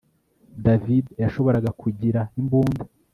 David yashoboraga kugira imbunda